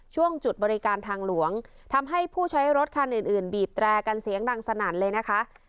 ช่วงจุดบริการทางหลวงทำให้ผู้ใช้รถคันอื่นอื่นบีบแตรกันเสียงดังสนั่นเลยนะคะ